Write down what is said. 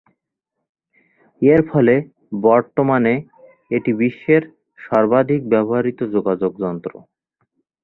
এর ফলে বর্তমানে এটি বিশ্বের সর্বাধিক ব্যবহৃত যোগাযোগ যন্ত্র।